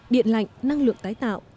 điện lạnh năng lượng tái tạo